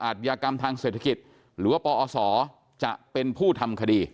ยากรรมทางเศรษฐกิจหรือว่าปอศจะเป็นผู้ทำคดี